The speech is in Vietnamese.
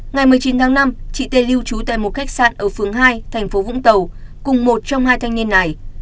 ngày một mươi chín tháng năm chị tê lưu trú tại một khách sạn ở phường hai thành phố vũng tàu cùng một trong hai thanh niên này